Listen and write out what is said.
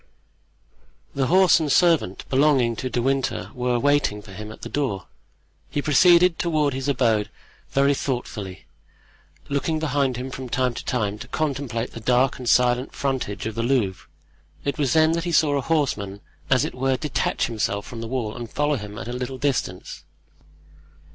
The horse and servant belonging to De Winter were waiting for him at the door; he proceeded toward his abode very thoughtfully, looking behind him from time to him to contemplate the dark and silent frontage of the Louvre. It was then that he saw a horseman, as it were, detach himself from the wall and follow him at a little distance.